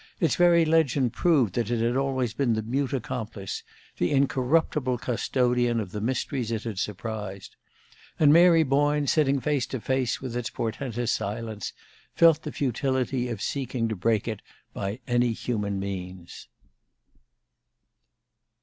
Its very legend proved that it had always been the mute accomplice, the incorruptible custodian of the mysteries it had surprised. And Mary Boyne, sitting face to face with its portentous silence, felt the futility of seeking to break it by any human means.